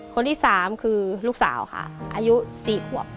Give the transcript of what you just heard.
คนที่สามคือลูกสาวค่ะอายุ๔หัว